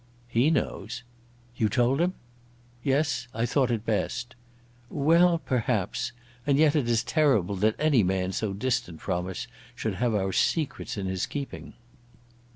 "He knows." "You told him?" "Yes; I thought it best." "Well, perhaps. And yet it is terrible that any man so distant from us should have our secrets in his keeping."